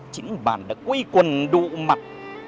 chính bản đã quy quần đụ mặt